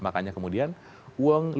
makanya kemudian uang